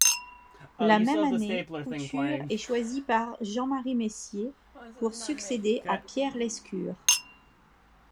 La même année, Couture est choisi par Jean-Marie Messier pour succéder à Pierre Lescure.